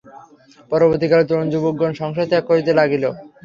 পরবর্তী কালে তরুণ যুবকগণ সংসার ত্যাগ করিতে লাগিল।